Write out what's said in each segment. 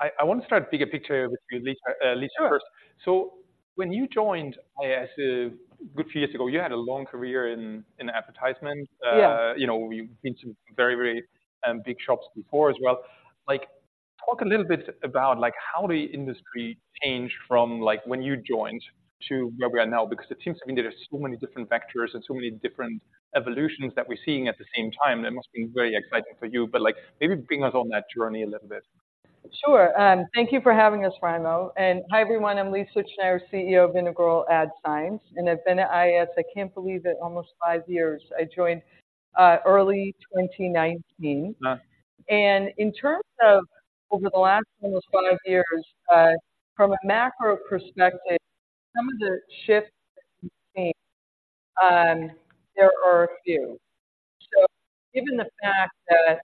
I want to start bigger picture with you, Lisa, Lisa first. Sure. When you joined IAS a good few years ago, you had a long career in advertising. Yeah. You know, you've been to very, very big shops before as well. Like, talk a little bit about, like, how the industry changed from like when you joined to where we are now, because it seems, I mean, there are so many different vectors and so many different evolutions that we're seeing at the same time. That must be very exciting for you, but like maybe bring us on that journey a little bit. Sure. Thank you for having us, Raimo, and hi, everyone. I'm Lisa Utzschneider, CEO of Integral Ad Science, and I've been at IAS, I can't believe it, almost five years. I joined early 2019. Uh. In terms of over the last almost five years, from a macro perspective, some of the shifts we've seen, there are a few. So given the fact that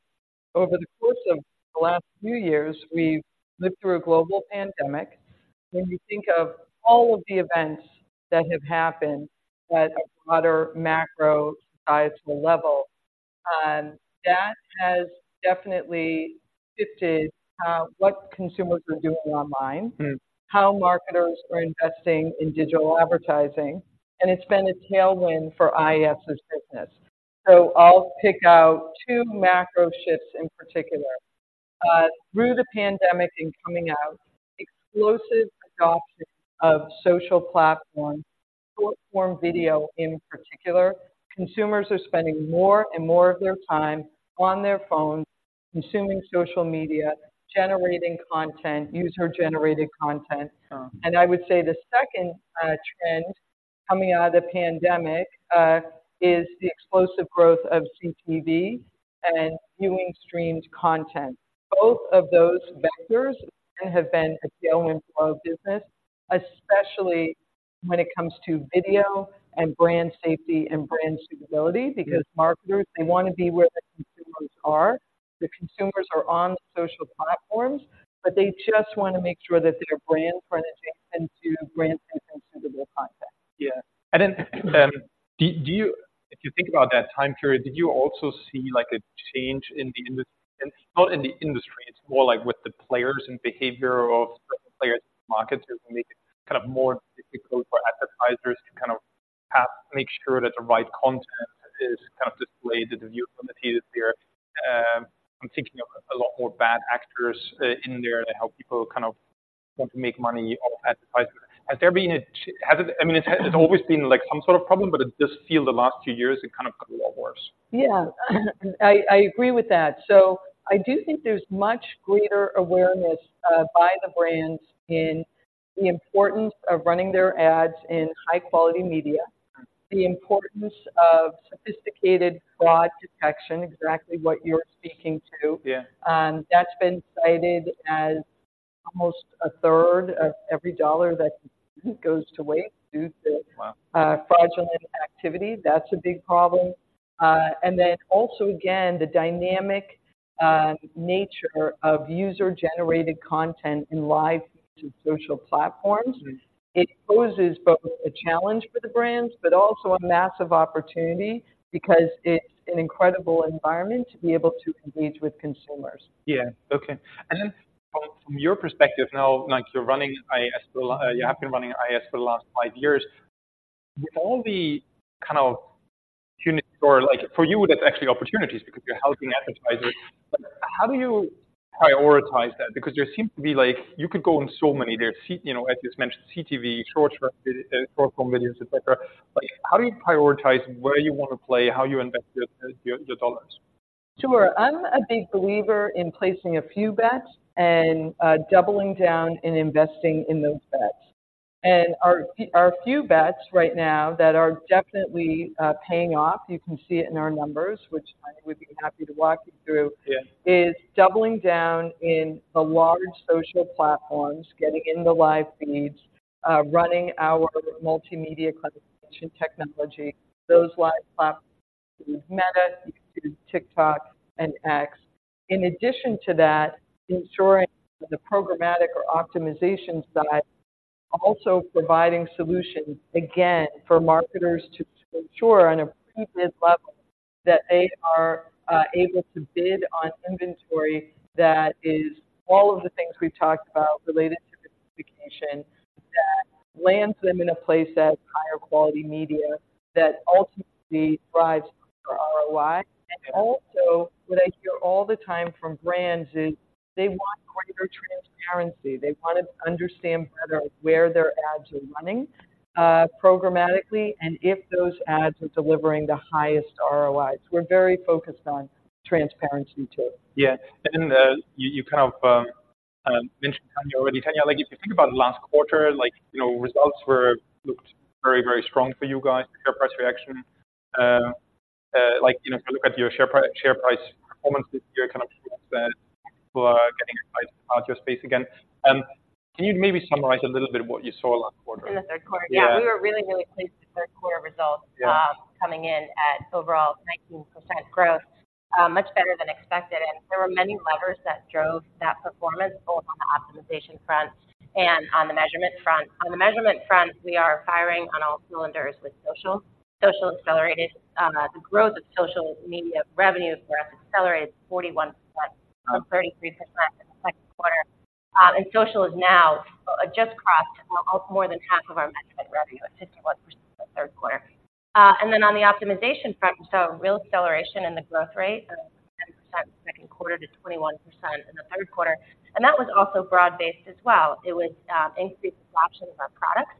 over the course of the last few years, we've lived through a global pandemic, when you think of all of the events that have happened at a broader, macro, societal level, that has definitely shifted, what consumers are doing online- Mm. How marketers are investing in digital advertising, and it's been a tailwind for IAS's business. So I'll pick out two macro shifts in particular. Through the pandemic and coming out, explosive adoption of social platforms, short-form video in particular. Consumers are spending more and more of their time on their phones, consuming social media, generating content, user-generated content. Sure. I would say the second trend coming out of the pandemic is the explosive growth of CTV and viewing streamed content. Both of those vectors have been a tailwind for our business, especially when it comes to video and brand safety and brand suitability. Yeah. Because marketers, they wanna be where the consumers are. The consumers are on social platforms, but they just wanna make sure that their brand frontage into brand-suitable content. Yeah. And then, do you—if you think about that time period, did you also see, like, a change in the industry? And not in the industry, it's more like with the players and behavior of certain players, marketers, making it kind of more difficult for advertisers to kind of have, make sure that the right content is kind of displayed to the view from the theater. I'm thinking of a lot more bad actors in there to help people kind of want to make money off advertisers. Has there been a change - has it? I mean, it's always been, like, some sort of problem, but it does feel the last few years, it kind of got a lot worse. Yeah, I agree with that. So I do think there's much greater awareness by the brands in the importance of running their ads in high-quality media- Right. the importance of sophisticated fraud detection, exactly what you're speaking to. Yeah. That's been cited as almost 1/3 of every dollar that goes to waste due to- Wow... fraudulent activity, that's a big problem. And then also, again, the dynamic nature of user-generated content in live social platforms. Mm. It poses both a challenge for the brands, but also a massive opportunity because it's an incredible environment to be able to engage with consumers. Yeah. Okay. And then from your perspective now, like you're running IAS for the last five years, with all the kind of opportunities, or like for you, that's actually opportunities because you're helping advertisers. But how do you prioritize that? Because there seems to be like, you could go in so many there, you know, as you mentioned, CTV, short-form videos, et cetera. Like, how do you prioritize where you want to play, how you invest your, your, your dollars? Sure. I'm a big believer in placing a few bets and doubling down and investing in those bets. And our few bets right now that are definitely paying off, you can see it in our numbers, which I would be happy to walk you through- Yeah... is doubling down in the large social platforms, getting in the live feeds, running our multimedia classification technology. Those live platforms, Meta, TikTok, and X. In addition to that, ensuring the programmatic or optimization side, also providing solutions, again, for marketers to, to ensure on a pre-bid level that they are able to bid on inventory that is all of the things we've talked about related to classification, that lands them in a place that is higher-quality media, that ultimately drives their ROI. Yeah. Also, what I hear all the time from brands is they want greater transparency. They want to understand better where their ads are running, programmatically, and if those ads are delivering the highest ROI. We're very focused on transparency, too. Yeah. And you kind of mentioned Tania already. Tania, like, if you think about last quarter, like, you know, results were, looked very, very strong for you guys, your price reaction. Like, you know, if you look at your share price performance this year, kind of shows that people are getting your space again. Can you maybe summarize a little bit what you saw last quarter? In the third quarter? Yeah. We were really, really pleased with third quarter results. Yeah ...coming in at overall 19% growth, much better than expected, and there were many levers that drove that performance both-... optimization front and on the measurement front. On the measurement front, we are firing on all cylinders with social. Social accelerated the growth of social media revenue for us accelerated 41%, from 33% in the second quarter. And social is now just crossed more than half of our measurement revenue, at 51% in the third quarter. And then on the optimization front, so real acceleration in the growth rate, of 10% second quarter to 21% in the third quarter, and that was also broad-based as well. It was increased adoption of our products,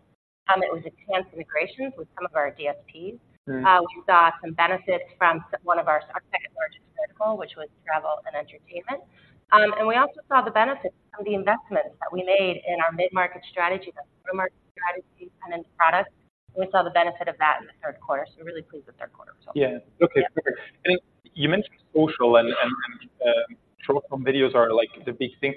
it was enhanced integrations with some of our DSPs. Mm. We saw some benefit from one of our second largest vertical, which was travel and entertainment. And we also saw the benefits from the investments that we made in our mid-market strategy, that market strategy and then products. We saw the benefit of that in the third quarter, so we're really pleased with third quarter results. Yeah. Okay, great. And you mentioned social and short-form videos are, like, the big thing.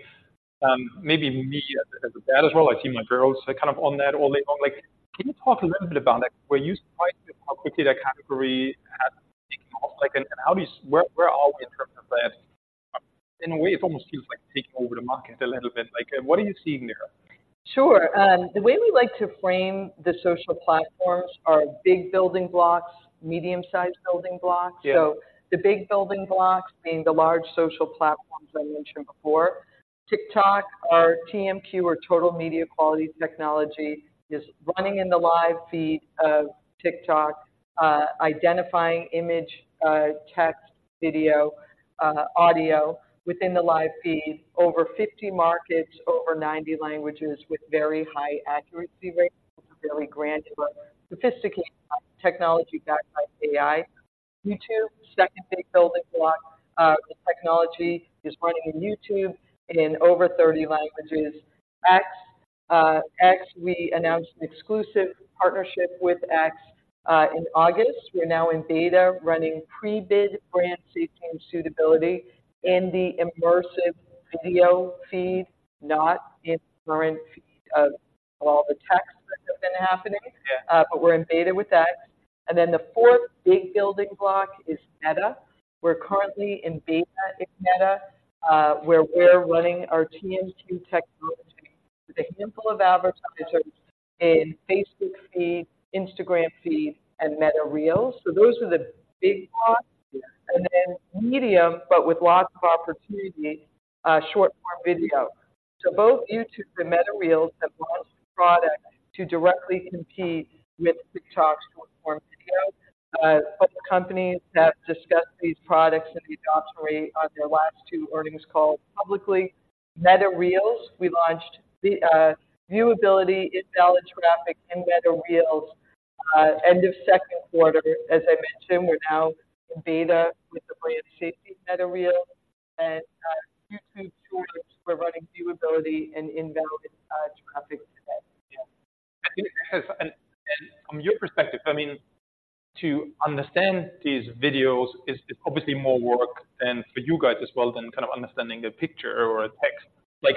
Maybe me as a dad as well, I see my girls are kind of on that all day long. Like, can you talk a little bit about, like, where you see how quickly that category has taken off? Like, and where are we in terms of that? In a way, it almost feels like taking over the market a little bit. Like, what are you seeing there? Sure. The way we like to frame the social platforms are big building blocks, medium-sized building blocks. Yeah. So the big building blocks being the large social platforms I mentioned before. TikTok, our TMQ or Total Media Quality technology is running in the live feed of TikTok, identifying image, text, video, audio within the live feed, over 50 markets, over 90 languages, with very high accuracy rates. It's a very granular, sophisticated technology backed by AI. YouTube, second big building block. The technology is running in YouTube in over 30 languages. X. X, we announced an exclusive partnership with X, in August. We're now in beta, running pre-bid brand safety and suitability in the immersive video feed, not in current feed of all the texts that have been happening. Yeah. But we're in beta with X. And then the fourth big building block is Meta. We're currently in beta in Meta, where we're running our TMQ technology with a handful of advertisers in Facebook Feed, Instagram Feed, and Meta Reels. So those are the big blocks. Yeah. Medium, but with lots of opportunity, short-form video. So both YouTube and Meta Reels have launched products to directly compete with TikTok's short-form video. Both companies have discussed these products and the adoption rate on their last two earnings calls publicly. Meta Reels, we launched the viewability, invalid traffic in Meta Reels end of second quarter. As I mentioned, we're now in beta with the brand safety Meta Reels, and YouTube Shorts, we're running viewability and invalid traffic today. Yeah. I think it has... And from your perspective, I mean, to understand these videos is obviously more work than for you guys as well than kind of understanding a picture or a text. Like,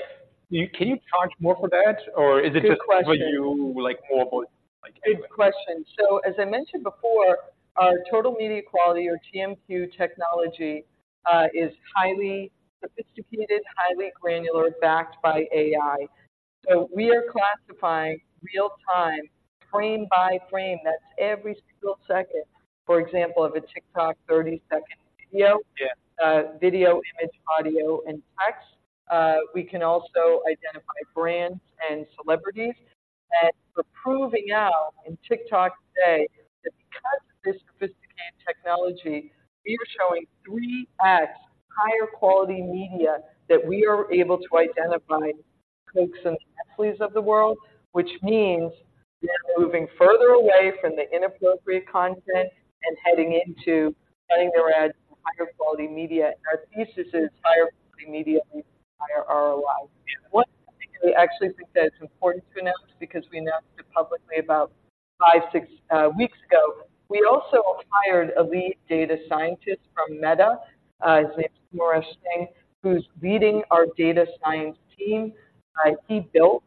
can you charge more for that, or is it just- Good question. for you, like, more about, like Good question. So as I mentioned before, our Total Media Quality, or TMQ technology, is highly sophisticated, highly granular, backed by AI. So we are classifying real time, frame by frame, that's every single second, for example, of a TikTok 30-second video. Yeah. Video, image, audio, and text. We can also identify brands and celebrities. We're proving out in TikTok today, that because of this sophisticated technology, we are showing 3x higher quality media that we are able to identify folks and athletes of the world, which means we are moving further away from the inappropriate content and heading into running their ads in higher quality media. Our thesis is higher quality media means higher ROI. One thing we actually think that it's important to announce, because we announced it publicly about five, six weeks ago, we also hired a lead data scientist from Meta. His name is Kumaresh, who's leading our data science team. He built,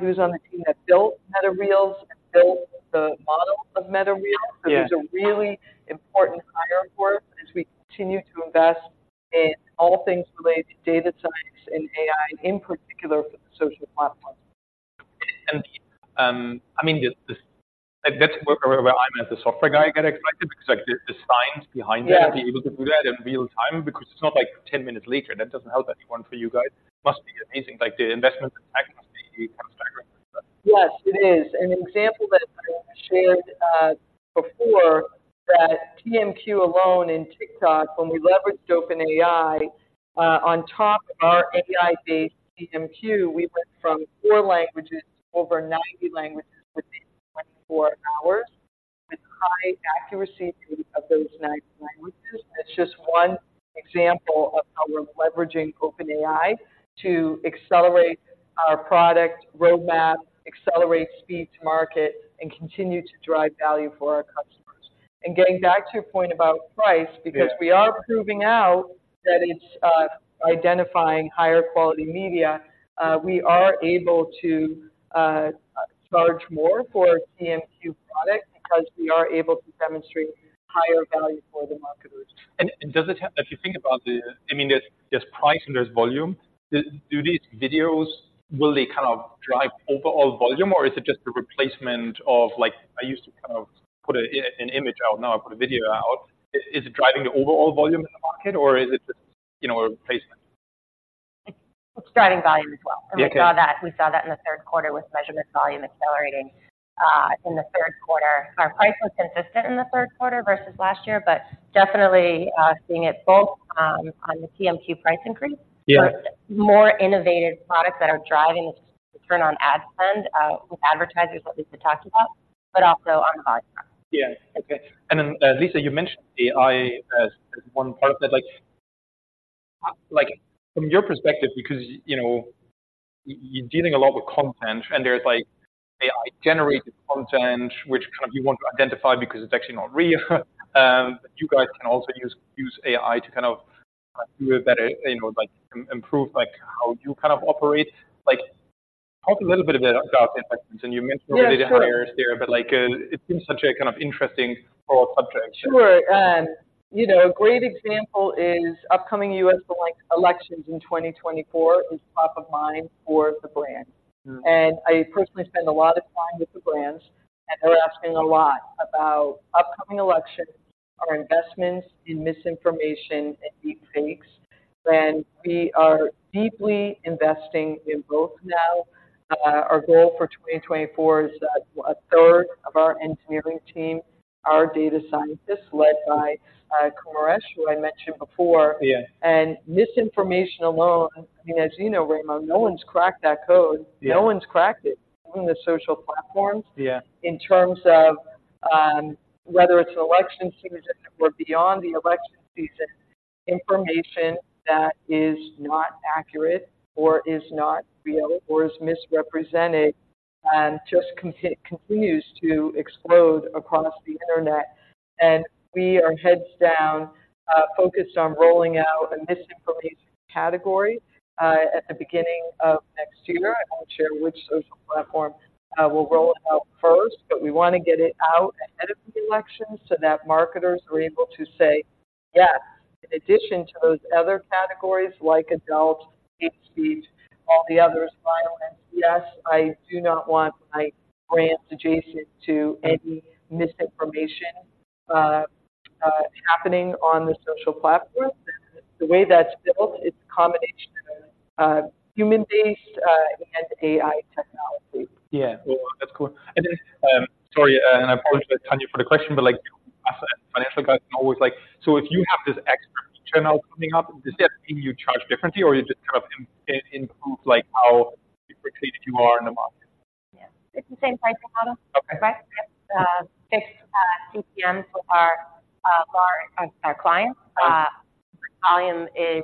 he was on the team that built Meta Reels and built the model of Meta Reels. Yeah. So he's a really important hire for us as we continue to invest in all things related to data science and AI, in particular, for the social platforms. I mean, just this—like, that's where I'm as a software guy get excited, because, like, the science behind that- Yeah -to be able to do that in real time, because it's not, like, ten minutes later, that doesn't help anyone for you guys. Must be amazing, like, the investment time must be spectacular. Yes, it is. An example that I shared before, that TMQ alone in TikTok, when we leveraged OpenAI on top of our AI-based TMQ, we went from four languages to over 90 languages within 24 hours, with high accuracy of those 90 languages. That's just one example of how we're leveraging OpenAI to accelerate our product roadmap, accelerate speed to market, and continue to drive value for our customers. And getting back to your point about price- Yeah... because we are proving out that it's identifying higher quality media, we are able to charge more for TMQ product because we are able to demonstrate higher value for the marketers. If you think about the, I mean, there's price and there's volume. Do these videos will they kind of drive overall volume, or is it just a replacement of like, I used to kind of put an image out, now I put a video out. Is it driving the overall volume in the market, or is it just, you know, a replacement? It's driving volume as well. Okay. We saw that, we saw that in the third quarter with measurement volume accelerating in the third quarter. Our price was consistent in the third quarter versus last year, but definitely seeing it both on the TMQ price increase- Yeah but more innovative products that are driving return on ad spend with advertisers, what Lisa talked about, but also on hard products. Yeah. Okay. And then, Lisa, you mentioned AI as one part of it. Like, like from your perspective, because, you know, you're dealing a lot with content, and there's like AI-generated content, which kind of you want to identify because it's actually not real. You guys can also use AI to kind of do a better, you know, like, improve, like, how you kind of operate. Like, talk a little bit about the impact. And you mentioned already the hires there- Yeah, sure. - But like, it's been such a kind of interesting overall subject. Sure. You know, a great example is upcoming U.S. elections in 2024 is top of mind for the brands. Mm. I personally spend a lot of time with the brands, and they're asking a lot about upcoming elections, our investments in misinformation and deepfakes, and we are deeply investing in both now. Our goal for 2024 is that 1/3 of our engineering team are data scientists, led by Kumaresh, who I mentioned before. Yeah. Misinformation alone, I mean, as you know, Raimo, no one's cracked that code. Yeah. No one's cracked it on the social platforms- Yeah In terms of whether it's election season or beyond the election season, information that is not accurate or is not real or is misrepresented, just continues to explode across the internet. And we are heads down focused on rolling out a misinformation category at the beginning of next year. I won't share which social platform we'll roll it out first, but we want to get it out ahead of the election so that marketers are able to say, "Yes, in addition to those other categories, like adults, hate speech, all the others, violence. Yes, I do not want my brands adjacent to any misinformation happening on the social platform." The way that's built, it's a combination of human-based and AI technology. Yeah. Well, that's cool. And then, sorry, and I apologize, Tania, for the question, but like, us as financial guys, always like... So if you have this extra channel coming up, does that mean you charge differently or you just kind of improve, like, how differentiated you are in the market? Yeah. It's the same pricing model. Okay. Right? Fixed CPM for our clients. Volume is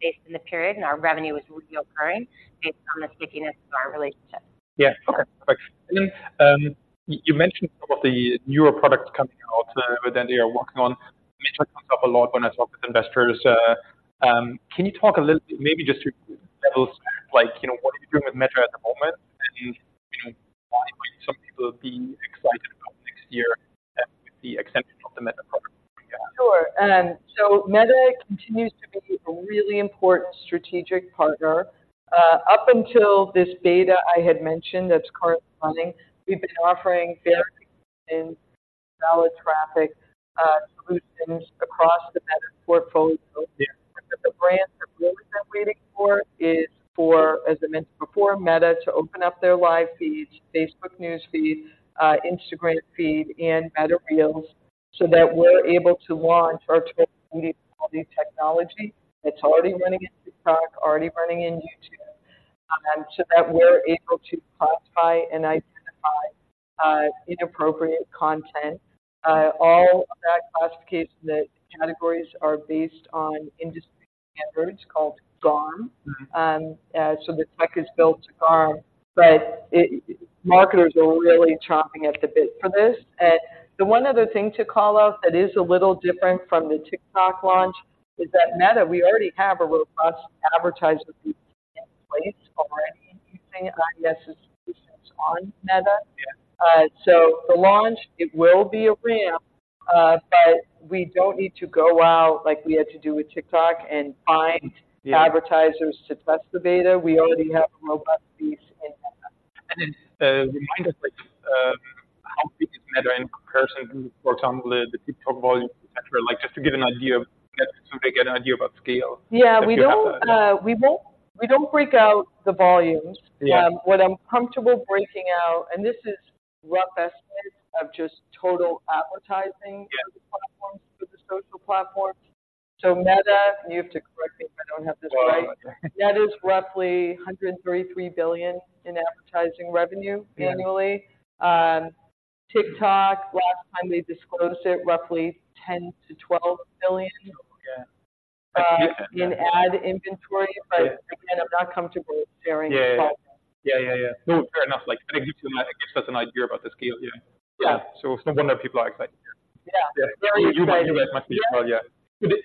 based on the period, and our revenue is recurring based on the stickiness of our relationships. Yeah. Okay, perfect. And then, you mentioned some of the newer products coming out, that they are working on. Meta comes up a lot when I talk with investors. Can you talk a little, maybe just to levels, like, you know, what are you doing with Meta at the moment? And, you know, why might some people be excited about next year and the extension of the Meta product? Sure. So Meta continues to be a really important strategic partner. Up until this beta I had mentioned, that's currently running, we've been offering viewability and invalid traffic solutions across the Meta portfolio. Yeah. But the brands that really been waiting for is for, as I mentioned before, Meta to open up their live feeds, Facebook news feeds, Instagram feed, and Meta Reels, so that we're able to launch our TMQ technology. It's already running in TikTok, already running in YouTube, so that we're able to classify and identify inappropriate content. All of that classification, the categories are based on industry standards called GARM. Mm-hmm. So the tech is built to GARM, but marketers are really chomping at the bit for this. And the one other thing to call out that is a little different from the TikTok launch is that Meta, we already have a robust advertiser base in place already using IAS on Meta. Yeah. So the launch, it will be a ramp, but we don't need to go out like we had to do with TikTok and find- Yeah advertisers to test the beta. We already have a robust piece in Meta. And then, remind us, like, how big is Meta in comparison to, for example, the TikTok volume, et cetera? Like, just to give an idea of, so they get an idea about scale. Yeah. Like you have- We don't break out the volumes. Yeah. What I'm comfortable breaking out, and this is rough estimates of just total advertising- Yeah platforms, with the social platforms. So Meta, you have to correct me if I don't have this right. No. Meta is roughly $133 billion in advertising revenue- Yeah - annually. TikTok, last time they disclosed it, roughly $10 billion-$12 billion- Yeah... in ad inventory. Yeah. But again, I'm not comfortable sharing- Yeah. - the volume. Yeah, yeah, yeah. No, fair enough. Like, I think it gives them, it gives us an idea about the scale. Yeah. Yeah. It's no wonder people are excited. Yeah. Yeah. Very excited. You guys must be as well. Yeah. Did it...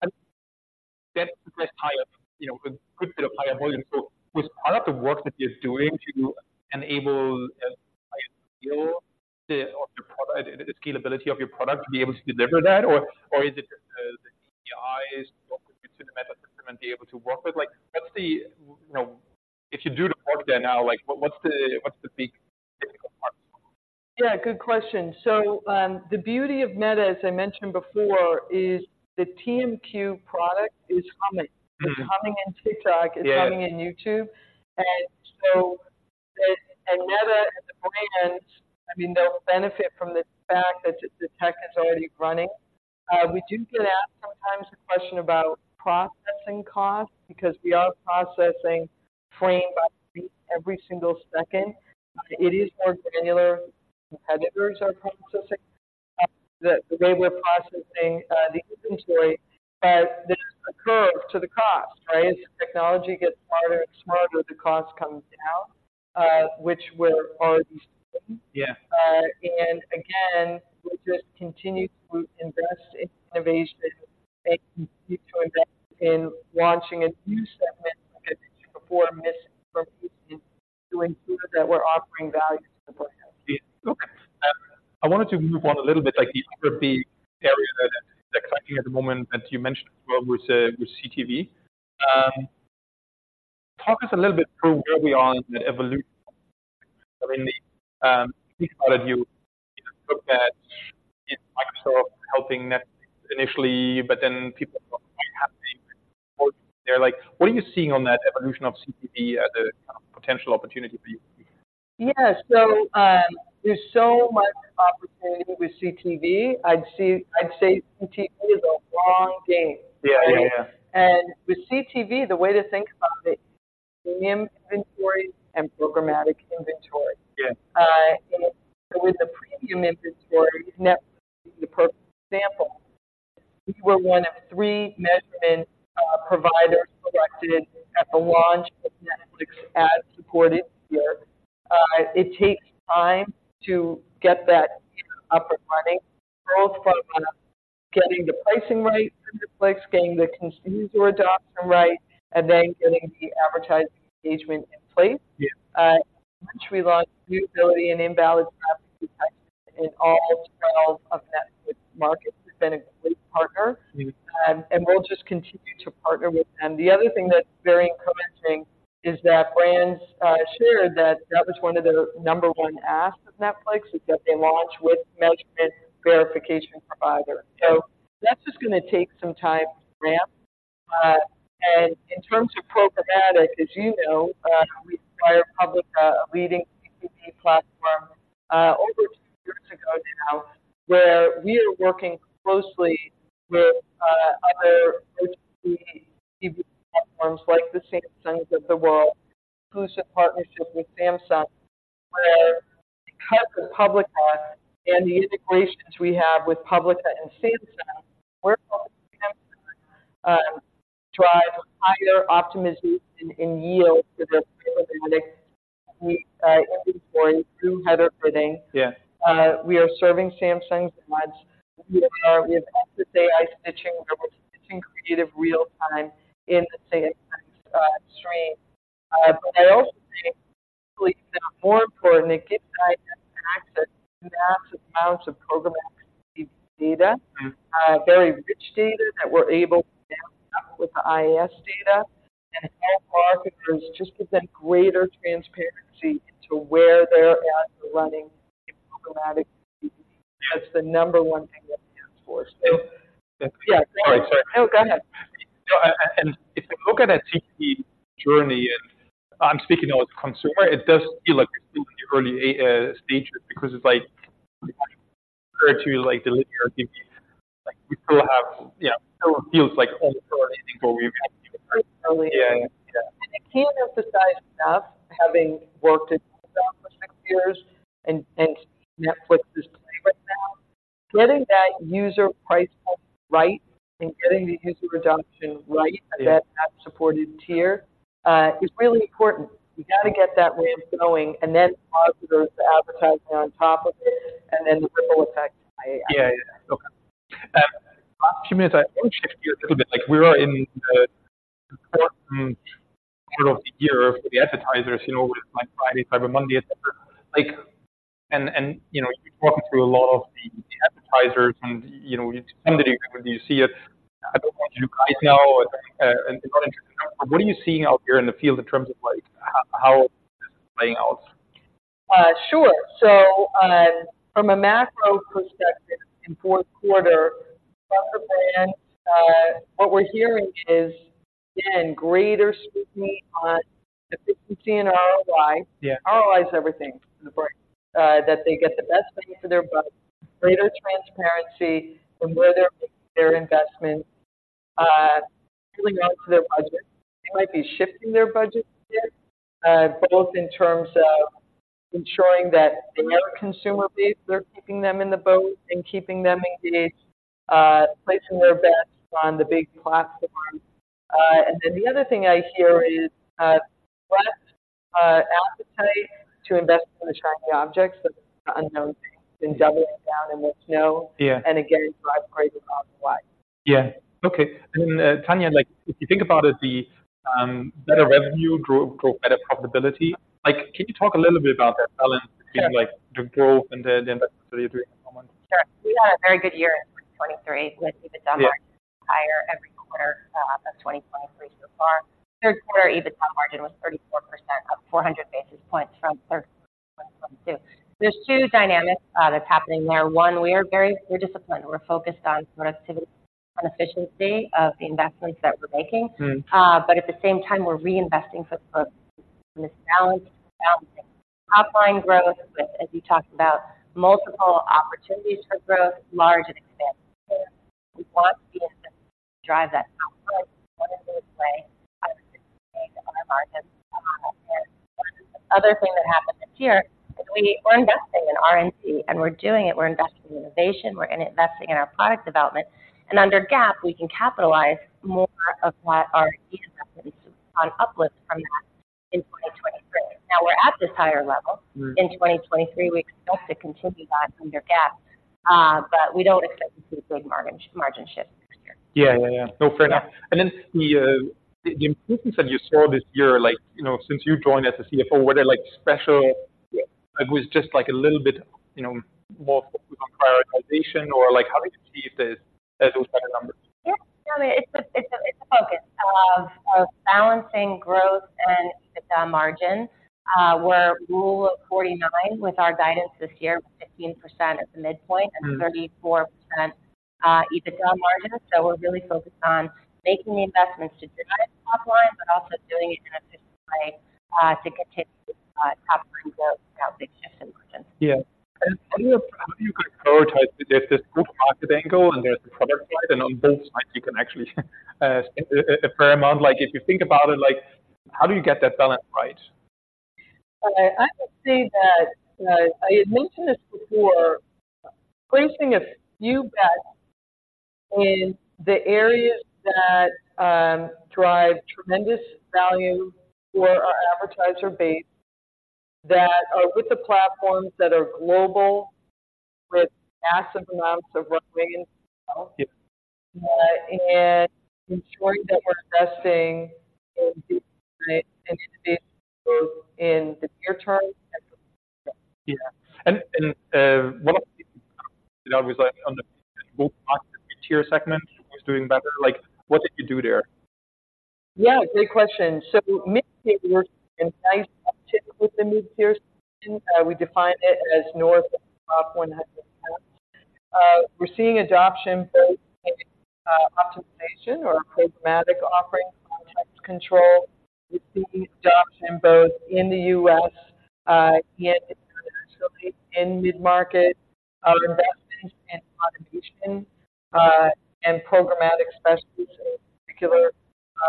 that's the best I have, you know, a good bit of higher volume. So, was part of the work that you're doing to enable higher yield of your product, the scalability of your product to be able to deliver that? Or, or is it just the IAS work with your ecosystem and be able to work with? Like, what's the, you know, if you do the work there now, like, what, what's the, what's the big difficult part? Yeah, good question. So, the beauty of Meta, as I mentioned before, is the TMQ product is coming. Mm-hmm. It's coming in TikTok- Yeah. It's coming in YouTube. And so, Meta and the brands, I mean, they'll benefit from the fact that the tech is already running. We do get asked sometimes a question about processing costs, because we are processing frame by every single second. It is more granular than competitors are processing, the way we're processing, the inventory, but there's a curve to the cost, right? As technology gets smarter and smarter, the cost comes down, which we're already seeing. Yeah. And again, we'll just continue to invest in innovation and continue to invest in launching a new segment before missing, to ensure that we're offering value to the brand. Look, I wanted to move on a little bit, like the other big area that is exciting at the moment, that you mentioned as well, with, with CTV. Talk us a little bit through where we are in the evolution. I mean, the, we thought of you, you know, looked at Microsoft helping Netflix initially, but then people happening. They're like, what are you seeing on that evolution of CTV as a potential opportunity for you? Yeah. So, there's so much opportunity with CTV. I'd say CTV is a long game. Yeah, yeah, yeah. With CTV, the way to think about it, premium inventory and programmatic inventory. Yeah. With the premium inventory, Netflix is the perfect example. We were one of three measurement providers selected at the launch of Netflix ad-supported tier. It takes time to get that up and running, both by getting the pricing right for Netflix, getting the consumer adoption right, and then getting the advertising engagement in place. Yeah. Once we launched viewability and invalid traffic detection in all of Netflix markets, we've been a great partner. Mm-hmm. We'll just continue to partner with them. The other thing that's very encouraging is that brands shared that that was one of their number one ask of Netflix, is that they launch with measurement verification provider. So that's just gonna take some time to ramp. In terms of programmatic, as you know, we acquired Publica, a leading CTV platform, over two years ago now, where we are working closely with other CTV platforms, like the Samsungs of the world, inclusive partnership with Samsung, where because of Publica and the integrations we have with Publica and Samsung, we're drive higher optimization and yield for the programmatic. We inventory through header bidding. Yeah. We are serving Samsung's ads. We are, we have active AI stitching, where we're stitching creative real time in the same, stream. But I also think more important, it gives us access to massive amounts of programmatic TV data. Mm. Very rich data that we're able to with the IAS data, and it help marketers just present greater transparency into where they're at running programmatic. That's the number one thing that they ask for. Yeah. All right, sorry. No, go ahead. No, and if you look at that CTV journey, and I'm speaking now as a consumer, it does feel like still in the early stages, because it's like compared to like the linear TV, like we still have, yeah, still feels like early stages, but we've- Early, yeah. Yeah. I can't emphasize enough, having worked at Amazon for six years, Netflix is right now getting that user price point right and getting the user adoption right- Yeah. That supported tier is really important. We got to get that window going, and then go to the advertising on top of it, and then the ripple effect. Yeah, yeah. Okay. 2 minutes, I want to shift gears a little bit. Like we are in the important part of the year for the advertisers, you know, with Black Friday, Cyber Monday, et cetera. Like, and, you know, you've talked through a lot of the advertisers and, you know, you, do you see it? I don't want you to guide now, and what are you seeing out there in the field in terms of like how this is playing out? Sure. So, from a macro perspective, in fourth quarter, from the brand, what we're hearing is, again, greater scrutiny on efficiency and ROI. Yeah. ROI is everything for the brand. That they get the best bang for their buck, greater transparency from where they're making their investment, pulling up to their budget. They might be shifting their budget a bit, both in terms of ensuring that the other consumer base, they're keeping them in the boat and keeping them engaged, placing their bets on the big platforms. And then the other thing I hear is less advertising to invest in the shiny objects, the unknown things, than doubling down in what you know- Yeah. And again, drive crazy profit wide. Yeah. Okay. And, Tania, like, if you think about it, the better revenue growth, better profitability. Like, can you talk a little bit about that balance between, like, the growth and the investment you're doing at the moment? Sure. We had a very good year in 2023, with EBITDA margin- Yeah higher every quarter of 2023 so far. Third quarter, EBITDA margin was 34%, up 400 basis points from third quarter 2022. There's two dynamics that's happening there. One, we are very... We're disciplined. We're focused on productivity and efficiency of the investments that we're making. Mm. But at the same time, we're reinvesting for the growth. This balance, balancing top line growth with, as you talked about, multiple opportunities for growth, large and expansive. We want the investment to drive that output one of those way other markets. The other thing that happened this year is we're investing in R&D, and we're doing it. We're investing in innovation, we're investing in our product development. Under GAAP, we can capitalize more of what R&D investments on uplifts from that in 2023. Now, we're at this higher level. Mm. In 2023, we expect to continue that under GAAP, but we don't expect to see a big margin shift this year. Yeah, yeah, yeah. No, fair enough. Yeah. Then the improvements that you saw this year, like, you know, since you joined as a CFO, were there, like, special- Yeah. It was just, like, a little bit, you know, more focused on prioritization or, like, how did you achieve this, those better numbers? Yeah, no, it's a focus of balancing growth and EBITDA margin. We're Rule 49 with our guidance this year, 15% at the midpoint- Mm. -and 34%, EBITDA margin. So we're really focused on making the investments to drive the top line, but also doing it in a disciplined way, to continue, top line growth without big shifts in margin. Yeah. And how do you, how do you guys prioritize? There's, there's growth market angle, and there's the product side, and on both sides, you can actually a fair amount. Like, if you think about it, like, how do you get that balance right? I would say that, I had mentioned this before, placing a few bets in the areas that drive tremendous value for our advertiser base, that are with the platforms that are global, with massive amounts of running as well. Yeah. Ensuring that we're investing in both in the near term and the long term. Yeah. And, what I did, I was like, on the mid-market tier segment was doing better. Like, what did you do there? Yeah, great question. Mid-market, we're in nice with the mid-tier segment. We define it as north of 100,000. We're seeing adoption both in optimization or programmatic offerings, Context Control. We're seeing adoption both in the U.S. and internationally in mid-market. Our investment in automation and programmatic specialties in particular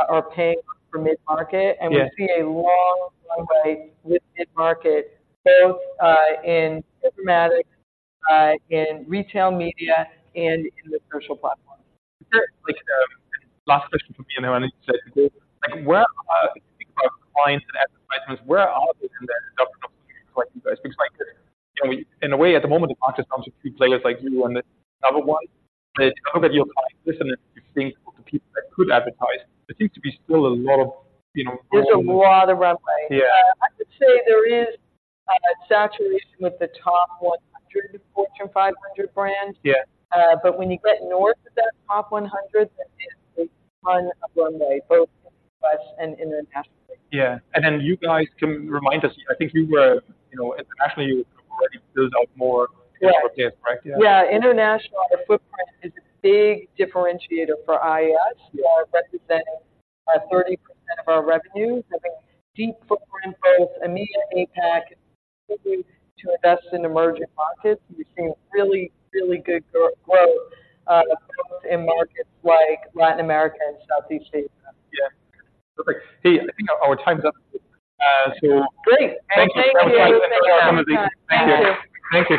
are paying for mid-market. Yeah. We see a long runway with mid-market, both in programmatic, in retail media, and in the social platform. Like, last question from me, and I want to go. Like, where are our clients and advertisers? Where are they in their adoption for you guys? Because, like, you know, in a way, at the moment, the market comes with three players like you and the other one. But how did your clients listen and you think the people that could advertise, there seems to be still a lot of, you know, growth- There's a lot of runway. Yeah. I would say there is saturation with the top 100 Fortune 500 brands. Yeah. But when you get north of that top 100, there is a ton of runway, both us and in the landscape. Yeah. Then you guys can remind us. I think you were, you know, internationally, you already built out more- Yeah. -markets, correct? Yeah. International, the footprint is a big differentiator for IAS. We are representing 30% of our revenues, having deep footprint in both EMEA and APAC, to invest in emerging markets. We've seen really, really good growth both in markets like Latin America and Southeast Asia. Yeah. Perfect. Hey, I think our time's up, so- Great. Thank you. Thank you. Thank you. Thank you.